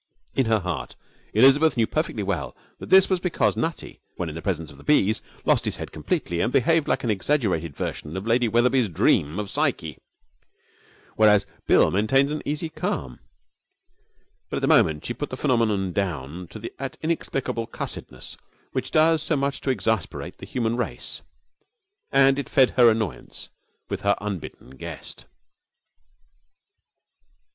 In her heart Elizabeth knew perfectly well that this was because Nutty, when in the presence of the bees, lost his head completely and behaved like an exaggerated version of Lady Wetherby's Dream of Psyche, whereas Bill maintained an easy calm; but at the moment she put the phenomenon down to that inexplicable cussedness which does so much to exasperate the human race, and it fed her annoyance with her unbidden guest.